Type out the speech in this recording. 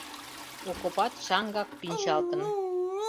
Окопат шаҥгак кӱнчалтын.